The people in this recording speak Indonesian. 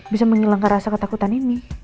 bisa menghilangkan rasa ketakutan ini